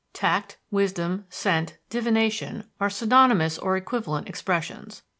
Tact, wisdom, scent, divination, are synonymous or equivalent expressions.